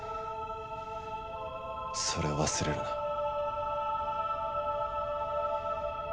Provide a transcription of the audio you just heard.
それを忘れるな。